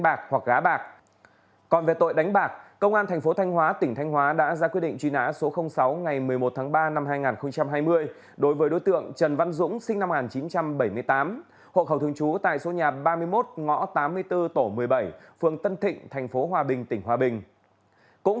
phạm tội đánh bạc công an tp thanh hóa tỉnh thanh hóa đã ra quyết định truy nã số sáu ngày một mươi một tháng ba năm hai nghìn hai mươi đối với đối tượng trần văn dũng sinh năm một nghìn chín trăm bảy mươi tám hộ khẩu thường trú tại số nhà ba mươi một ngõ tám mươi bốn tổ một mươi bảy phường tân thịnh tp hòa bình tỉnh hòa bình